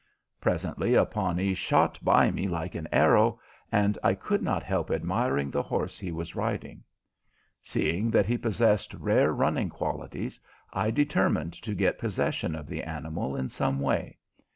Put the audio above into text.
Presently a Pawnee shot by me like an arrow, and I could not help admiring the horse he was riding. Seeing that he possessed rare running qualities, I determined to get possession of the animal in some way.